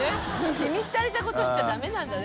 しみったれたことしちゃダメなんだね。